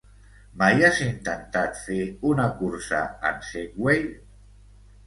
Mai has intentat fer una cursa en Segway?